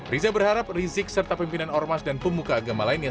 riza berharap rizik serta pimpinan ormas dan pemuka agama lainnya